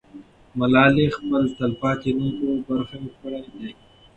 ملالۍ خپل تل پاتې نوم په برخه کړی دی.